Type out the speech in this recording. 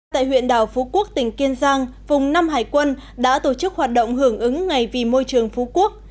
tại huyện đảo phú quốc tỉnh kiên giang vùng năm hải quân đã tổ chức hoạt động hưởng ứng ngày vì môi trường phú quốc